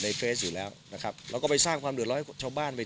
เฟซอยู่แล้วนะครับแล้วก็ไปสร้างความเดือดร้อนให้ชาวบ้านไป